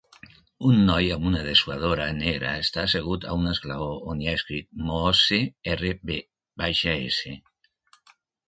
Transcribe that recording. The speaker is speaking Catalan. Un noi amb una dessuadora negra està assegut a un esglaó on hi ha escrit moose RVS.